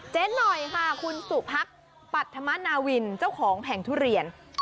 หน่อยค่ะคุณสุพักปัธมนาวินเจ้าของแผงทุเรียน